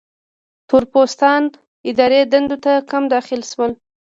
تور پوستان اداري دندو ته کم داخل شول.